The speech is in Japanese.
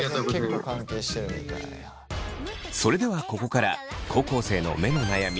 それではここから高校生の目の悩み